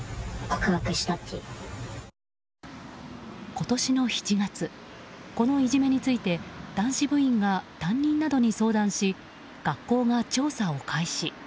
今年の７月このいじめについて男子部員が担任などに相談し学校が調査を開始。